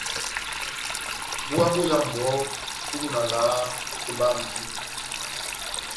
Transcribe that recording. Búwa bóyámu bohó, na kudu na valaha ó etómba yá medímo.